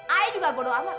ayah juga bodoh amat